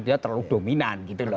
dia terlalu dominan